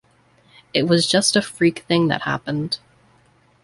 It was just a freak thing that happened.